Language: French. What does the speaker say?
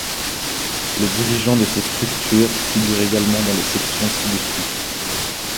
Les dirigeants de ces structures figurent également dans les sections ci-dessous.